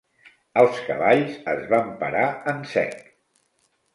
Els cavalls es van parar en sec.